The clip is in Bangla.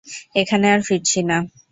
এখানে আর ফিরছি না।